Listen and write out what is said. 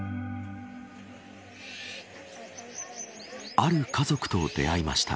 ある家族と出会いました。